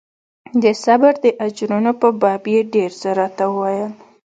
د صبر د اجرونو په باب يې ډېر څه راته وويل.